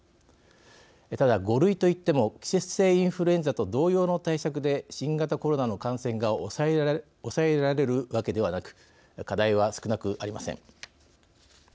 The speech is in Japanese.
ただ、５類といっても季節性インフルエンザと同様の対策で新型コロナの感染が抑えられるわけではなく課題は少なくありません。